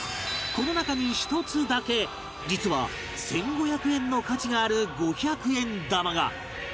この中に１つだけ実は１５００円の価値がある５００円玉が